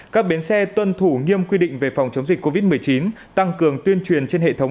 các bến xe tuân thủ nghiêm quy định về phòng chống dịch covid một mươi chín tăng cường tuyên truyền trên hệ thống